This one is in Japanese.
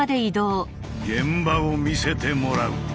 現場を見せてもらう！